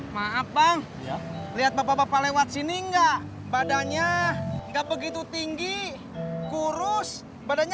maaf bang lihat bapak bapak lewat sini enggak badannya enggak begitu tinggi kurus badannya